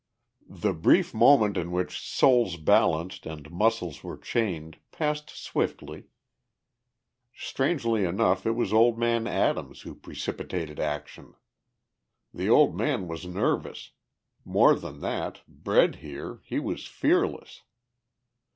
The brief moment in which souls balanced and muscles were chained passed swiftly. Strangely enough it was old man Adams who precipitated action. The old man was nervous; more than that, bred here, he was fearless.